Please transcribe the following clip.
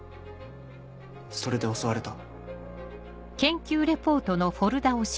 それで襲われた。